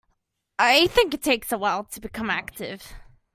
I think it takes a while to become active.